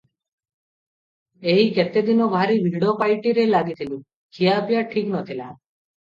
ଏହି କେତେ ଦିନ ଭାରି ଭିଡ଼ ପାଇଟିରେ ଲାଗିଥିଲି, ଖିଆପିଆ ଠିକ୍ ନ ଥିଲା ।